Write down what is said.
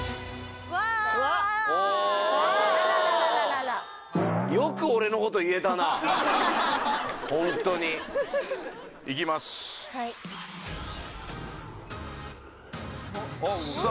・わあおおおおおおよく俺のこと言えたなホントにいきますさあ